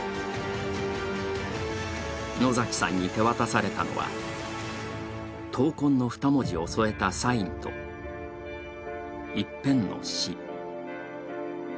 野崎さんに手渡されたのは「闘魂」の二文字を添えたサインと一編の詩。